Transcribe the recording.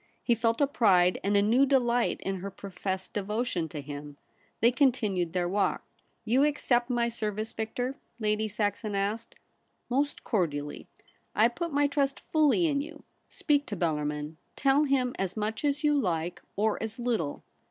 He felt a pride and a new delight in her professed devotion to him. They continued their walk. * You accept my service, Victor ?' Lady Saxon asked. ' Most cordially. I put my trust fully in you. Speak to Bellarmin. Tell him as much as you like, or as little.'